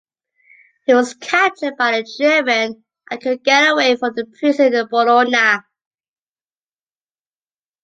He was captured by the German and could get away from the prison in Bologna.